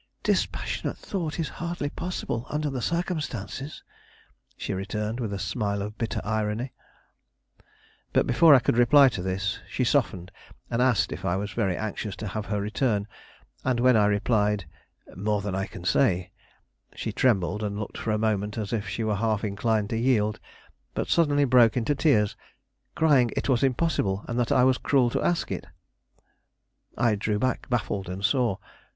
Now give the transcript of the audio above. "Dispassionate thought is hardly possible under the circumstances," she returned, with a smile of bitter irony. But before I could reply to this, she softened, and asked if I was very anxious to have her return; and when I replied, "More than I can say," she trembled and looked for a moment as if she were half inclined to yield; but suddenly broke into tears, crying it was impossible, and that I was cruel to ask it. I drew back, baffled and sore.